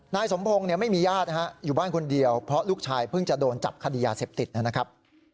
นายสมพงศ์ไม่มีญาติอยู่บ้านคนเดียวเพราะลูกชายเพิ่งจะโดนจับคดียาเสพติดนะครับ